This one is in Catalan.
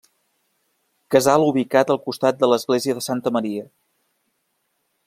Casal ubicat al costat de l'església de Santa Maria.